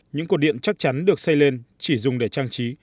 những cột điện chắc chắn được xây lên chỉ dùng để trang trí